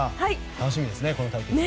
楽しみですね、この対決。